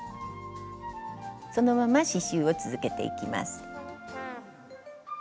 そのまま刺しゅうを続けていきます。